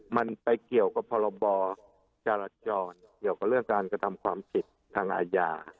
มันไปเกี่ยวกับพรบจรจรเกี่ยวกับเรื่องการกระทำความผิดทางอาญา